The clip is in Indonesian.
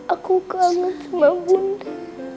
aku kaget sama bunda